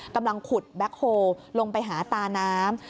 กำลังขุดแบ็คโฮลลงไปหาตาน้ำ